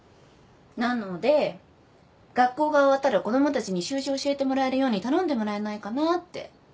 なので学校が終わったら子供たちに習字教えてもらえるように頼んでもらえないかなって。